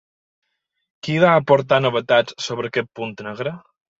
Qui va aportar novetats sobre aquest punt negre?